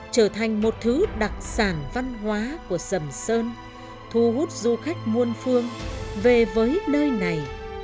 trở thành một thứ đặc sản văn hóa của sầm sơn thu hút du khách muôn phương về với nơi này